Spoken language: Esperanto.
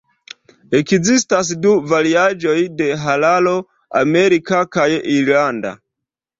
Ekzistas du variaĵoj de hararo: Amerika kaj Irlanda.